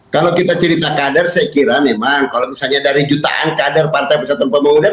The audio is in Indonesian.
kalau kita cerita kader saya kira memang kalau misalnya dari jutaan kader partai persatuan pembangunan